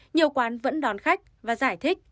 nhiều quán vẫn đón khách và giải thích